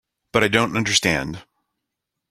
But I don't understand.